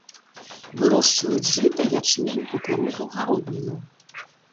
Вырошчваюць жыта, ячмень, кукурузу, гародніну.